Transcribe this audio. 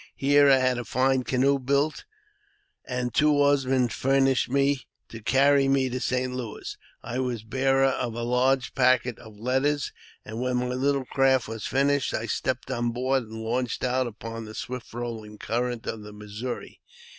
Here I had a fine canoe built, and two oarsmen furnished me to carry me to St. Louis. I was bearer of a large package of letters ; and when my little craft was finished, I stepped on board and launched out upon the swift rolling current of the Missouri.